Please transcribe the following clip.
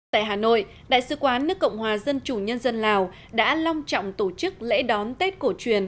tại hà nội đại sứ quán nước cộng hòa dân chủ nhân dân lào đã long trọng tổ chức lễ đón tết cổ truyền